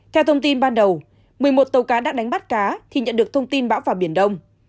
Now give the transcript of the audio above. theo thông tin ban đầu một mươi một tàu cá đang đánh bắt cá thì nhận được thông tin bão vào biển đông